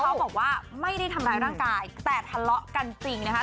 เขาบอกว่าไม่ได้ทำร้ายร่างกายแต่ทะเลาะกันจริงนะคะ